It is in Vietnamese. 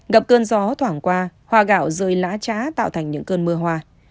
gặp cơn gió thoảng qua hoa gạo rơi lá trá tạo thành những cơn mưa hoa